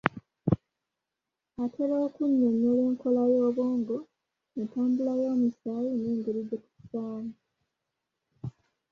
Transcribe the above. Atera okunnyonyola enkola y'obwongo, entambula y'omusaayi n'engeri gye tussaamu.